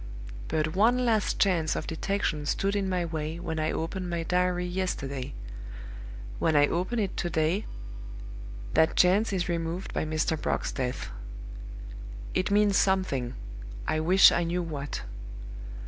But one last chance of detection stood in my way when I opened my diary yesterday. When I open it to day, that chance is removed by Mr. Brock's death. It means something; I wish I knew what.